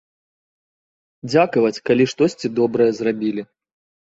Дзякаваць, калі штосьці добрае зрабілі.